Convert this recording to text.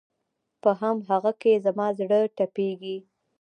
په هم هغه کې زما زړه تپېږي